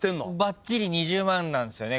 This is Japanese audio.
ばっちり２０万なんすよね